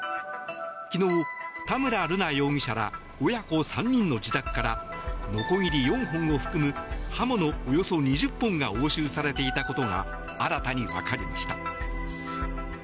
昨日、田村瑠奈容疑者ら親子３人の自宅からのこぎり４本を含む刃物およそ２０本が押収されていたことが新たに分かりました。